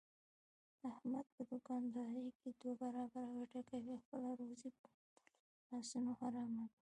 احمد په دوکاندارۍ کې دوه برابره ګټه کوي، خپله روزي په خپلو لاسونو حراموي.